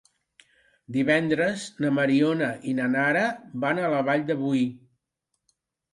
Divendres na Mariona i na Nara van a la Vall de Boí.